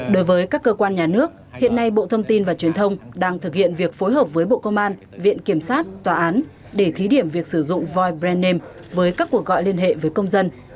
đối với các cơ quan nhà nước hiện nay bộ thông tin và truyền thông đang thực hiện việc phối hợp với bộ công an viện kiểm sát tòa án để thí điểm việc sử dụng void brand name với các cuộc gọi liên hệ với công dân